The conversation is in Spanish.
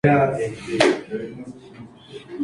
De ese matrimonio nacieron cinco hijos.